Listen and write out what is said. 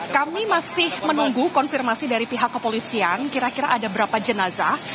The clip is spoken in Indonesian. kami masih menunggu konfirmasi dari pihak kepolisian kira kira ada berapa jenazah